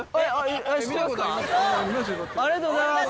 ありがとうございます。